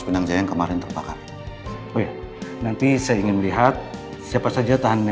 pinang jaya kemarin terbakar oh ya nanti saya ingin lihat siapa saja tahanan yang